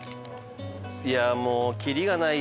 いやもう切りがないよ。